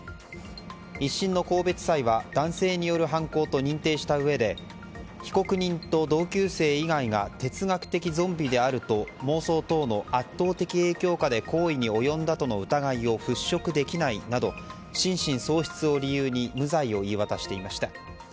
１審の神戸地裁は男性による犯行と認定したうえで被告人と同級生以外が哲学的ゾンビであると妄想等の圧倒的影響下で行為に及んだとの疑いを払拭できないなど心神喪失を理由に無罪を言い渡していました。